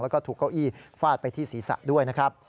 แล้วก็ถูกเก้าอี้ฟาดไปที่ศีรษะด้วยนะครับ